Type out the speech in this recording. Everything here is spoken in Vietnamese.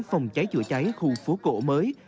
phòng cháy chữa cháy khu phố cổ mới